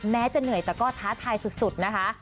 แม้จะเหนื่อยแต่ก็ท้าทายสุดนะคะ